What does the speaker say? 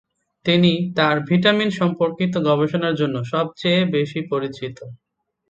তিনি তার ভিটামিন সম্পর্কিত গবেষণার জন্য সবচেয়ে বেশি পরিচিত।